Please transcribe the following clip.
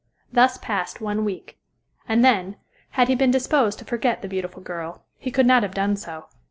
Thus passed one week. And then, had he been disposed to forget the beautiful girl, he could not have done so.